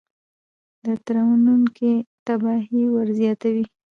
د ترسروونکي تباهي ورزیاتوي.